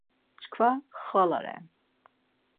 Çkva xvala re.